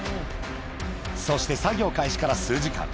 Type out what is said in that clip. そして作業開始から数時間。